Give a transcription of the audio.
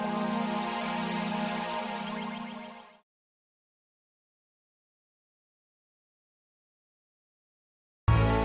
mau ke mana lah